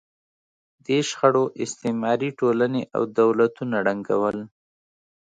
دې شخړو استعماري ټولنې او دولتونه ړنګول.